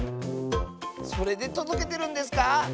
それでとどけてるんですか？